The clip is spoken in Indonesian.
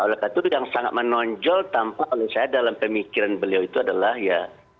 oleh karena itu yang sangat menonjol tampak oleh saya dalam pemikiran beliau itu adalah ya